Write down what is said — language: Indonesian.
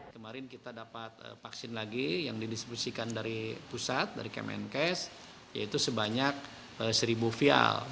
kemarin kita dapat vaksin lagi yang didistribusikan dari pusat dari kemenkes yaitu sebanyak seribu vial